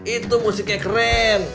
itu musiknya keren